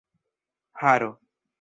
haro